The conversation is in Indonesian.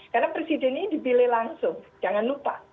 karena presiden ini dibilih langsung jangan lupa